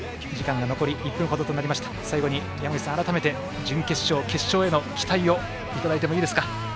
最後に、山口さん改めて準決勝、決勝への期待をいただいてもいいですか。